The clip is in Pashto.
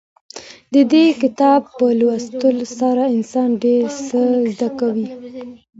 د دې کتاب په لوستلو سره انسان ډېر څه زده کوي.